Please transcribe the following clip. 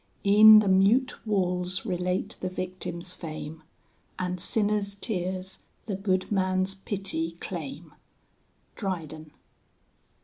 E'en the mute walls relate the victim's fame. And sinner's tears the good man's pity claim. DRYDEN.